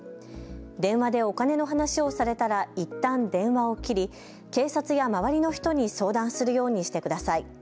電話でお金の話をされたらいったん電話を切り警察や周りの人に相談するようにしてください。